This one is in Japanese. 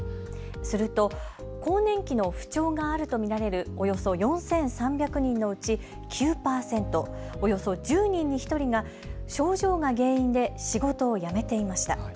すると更年期の不調があると見られるおよそ４３００人のうち９％、およそ１０人に１人が症状が原因で仕事を辞めていました。